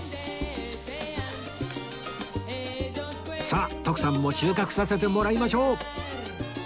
さあ徳さんも収穫させてもらいましょう